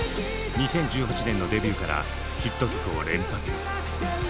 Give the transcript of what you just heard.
２０１８年のデビューからヒット曲を連発。